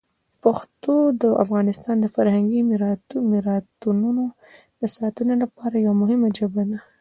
پښتو د افغانستان د فرهنګي میراتونو د ساتنې لپاره یوه مهمه ژبه ده.